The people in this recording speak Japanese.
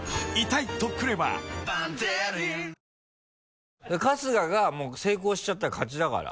わかるぞ春日が成功しちゃったら勝ちだから。